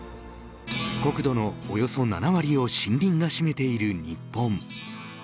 国土のおよそ７割を森林が占めている日本。